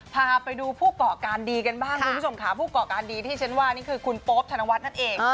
พาไปดูผู้ก่อการดีกันบ้างคุณผู้ชมค่ะผู้ก่อการดีที่ฉันว่านี่คือคุณโป๊ปธนวัฒน์นั่นเอง